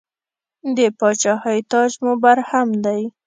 د پاچاهۍ تاج مو برهم دی.